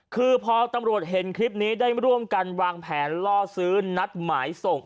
คือพอตำรวจเห็นคลิปนี้ได้ร่วมกันวางแผนล่อซื้อนัดหมายส่ง